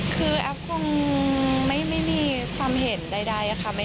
คือแอฟคงไม่มีความเห็นใดค่ะ